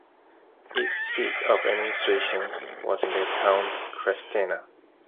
Its seat of administration was in the town Krestena.